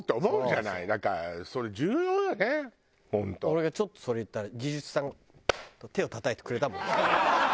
俺がちょっとそれ言ったら技術さんが手をたたいてくれたもん。